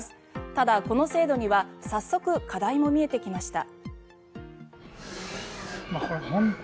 ただ、この制度には早速、課題も見えてきました。